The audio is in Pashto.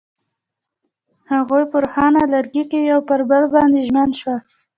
هغوی په روښانه لرګی کې پر بل باندې ژمن شول.